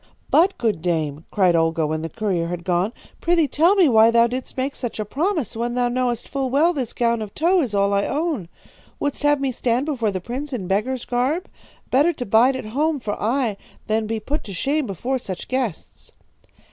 "'But, good dame,' cried Olga when the courier had gone, 'prithee tell me why thou didst make such a promise, when thou knowest full well this gown of tow is all I own? Wouldst have me stand before the prince in beggar's garb? Better to bide at home for aye than be put to shame before such guests.'